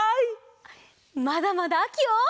まだまだあきを。